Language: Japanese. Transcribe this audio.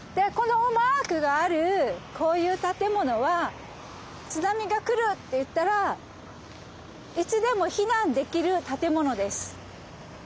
このマークがあるこういう建物は津波が来るっていったらいつでも避難できる建物です。